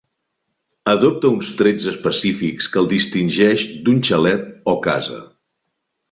Adopta uns trets específics que el distingeix d'un xalet o casa.